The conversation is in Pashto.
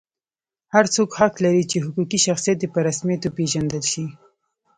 هر څوک حق لري چې حقوقي شخصیت یې په رسمیت وپېژندل شي.